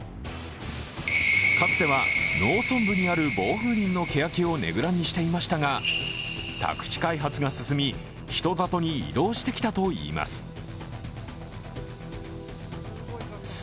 かつては農村部にある防風林のけやきをねぐらにしていましたが、宅地開発が進み、人里に移動してきたといいます。